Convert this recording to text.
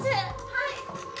はい！